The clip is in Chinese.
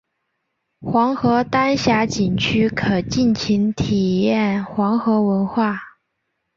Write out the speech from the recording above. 黄河丹霞景区可尽情体验黄河文化。